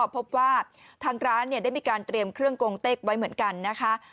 พบว่าทางร้านได้มีการเตรียมเครื่องโกงเต็กไว้เหมือนกันนะคะ